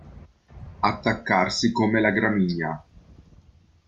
Attaccarsi come la gramigna.